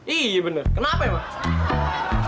iya bener kenapa ya pak